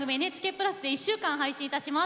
プラスで１週間配信いたします。